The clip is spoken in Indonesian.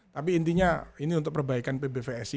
tapi intinya ini untuk perbaikan pbvsi